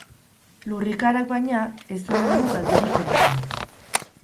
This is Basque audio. Lurrikarak, baina, ez omen du kalterik eragin.